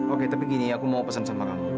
oke tapi gini aku mau pesan sama kamu